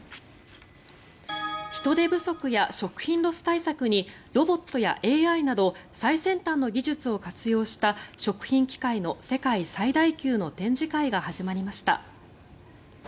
人手不足や食品ロス対策にロボットやＡＩなど最先端の技術を活用した食品機械の世界最大級の展示会が始まりました。